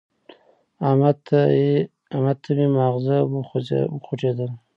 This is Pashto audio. احمد ته مې ماغزه وخوټېدل.